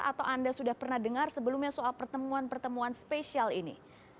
atau anda sudah pernah dengar sebelumnya soal pertemuan pertemuan spesial ini